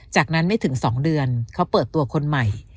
จากนั้นไม่ถึง๒เดือนเขาเปิดตัวคนใหม่